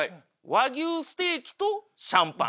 和牛ステーキとシャンパン。